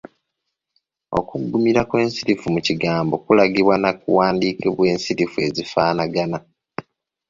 Okuggumira kw’ensirifu mu kigambo kulagibwa na kuwandiika nsirifu ezifaanagana.